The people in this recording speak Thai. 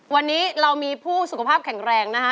วันนี้เรามีผู้สุขภาพแข็งแรงนะคะ